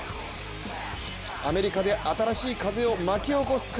アメリカで新しい風を巻き起こすか？